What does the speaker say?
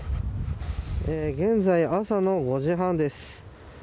現在、朝の５時半です。